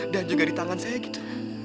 dan juga di tangan saya gitu